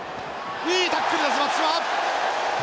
いいタックルです松島！